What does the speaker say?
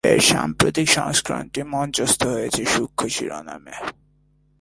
এর সাম্প্রতিক সংস্করণটি মঞ্চস্থ হয়েছে 'সূক্ষ্ম' শিরোনামে।